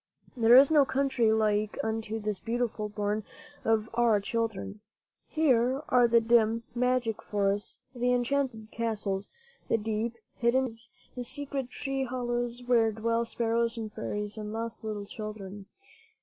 There is no countrj^ like unto this beautiful bourn of our children. Here are the dim, magic forests, the enchanted castles, the deep, hidden caves, the secret tree hollows, where dwell sparrows and fairies and lost little children.